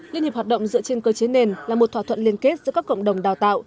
liên hiệp hoạt động dựa trên cơ chế nền là một thỏa thuận liên kết giữa các cộng đồng đào tạo